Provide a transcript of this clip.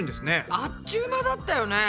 あっちゅう間だったよね。ね。